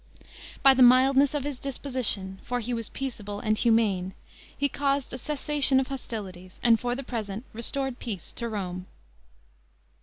By the mildness of his disposition (for he was peaceable and humane) he caused a cessation of hostilities, and for the present restored peace to Rome.